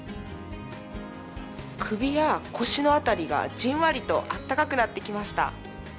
首や腰の辺りがじんわりとあったかくなってきました。